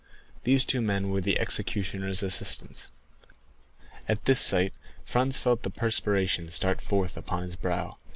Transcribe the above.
These two men were the executioner's assistants. At this sight Franz felt the perspiration start forth upon his brow.